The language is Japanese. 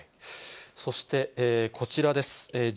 そしてこちらです。